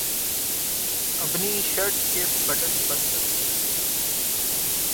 اپنی شرٹ کے بٹن بند کرو